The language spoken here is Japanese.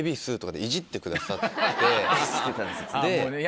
いじってたんです。